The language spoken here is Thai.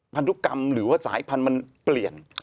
พันธุกรรมหรือว่าสายพันธุ์มันเปลี่ยน